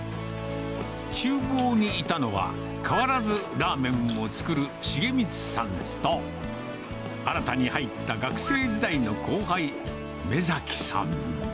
ちゅう房にいたのは、変わらずラーメンを作る重光さんと、新たに入った学生時代の後輩、目崎さん。